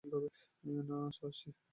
না, সার্সি!